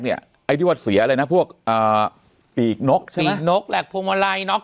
เนี่ยไอ้ที่ว่าเสียอะไรนะพวกปีกนกนกแหลกพวงมะลายนอก